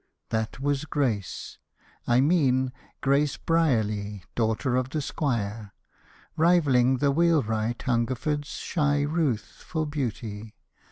That was Grace, I mean Grace Brierly, daughter of the squire, Rivaling the wheelwright Hungerford's shy Ruth For beauty.